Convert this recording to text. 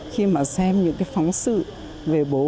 khi mà xem những phóng sự về bố